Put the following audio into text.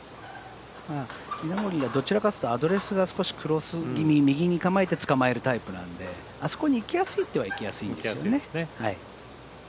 稲森はどちらかというとアドレスが少しクロス気味右に構えてつかまえるタイプなのであそこに行きやすいっては行きやすいんですね。